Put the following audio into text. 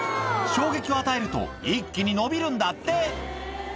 衝撃を与えると、一気に伸びるんだって。